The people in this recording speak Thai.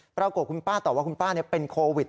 ปรากฏคุณป้าตอบว่าคุณป้าเป็นโควิด